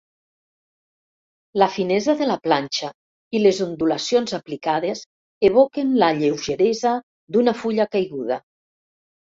La finesa de la planxa i les ondulacions aplicades evoquen la lleugeresa d'una fulla caiguda.